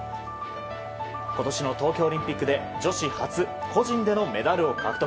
今年の東京オリンピックで女子初個人でのメダルを獲得。